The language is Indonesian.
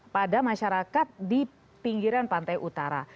pada masyarakat di pinggiran pantai utara